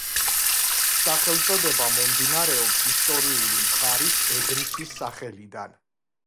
სახელწოდება მომდინარეობს ისტორიული მხარის ეგრისის სახელიდან.